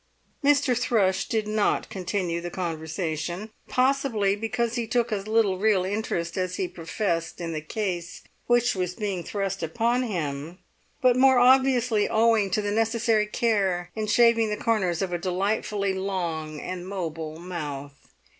Mr. Thrush did not continue the conversation, possibly because he took as little real interest as he professed in the case which was being thrust upon him, but more obviously owing to the necessary care in shaving the corners of a delightfuly long and mobile mouth.